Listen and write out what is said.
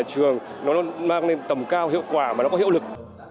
trường nó mang lên tầm cao hiệu quả và nó có hiệu lực